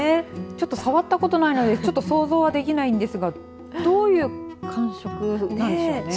ちょっと触ったことないのに想像はできないんですがどういう感触なんでしょうかね。